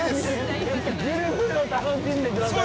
◆ぐるぐるを楽しんでください。